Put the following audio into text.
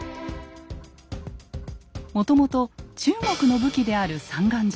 もともと中国の武器である三眼銃。